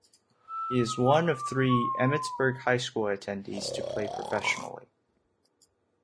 He is one of three Emmetsburg High School attendees to play professionally.